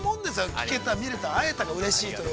聞けた、見れた、会えたがうれしい。